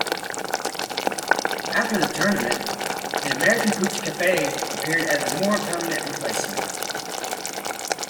After the tournament, the American "Pooch Cafe" appeared as a more permanent replacement.